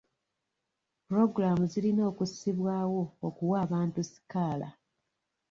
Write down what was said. Pulogulamu zirina okussibwawo okuwa abantu sikaala.